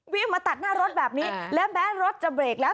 มาตัดหน้ารถแบบนี้และแม้รถจะเบรกแล้ว